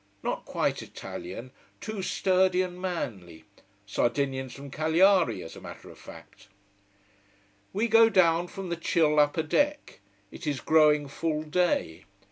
Not quite Italian, too sturdy and manly. Sardinians from Cagliari, as a matter of fact. We go down from the chill upper deck. It is growing full day.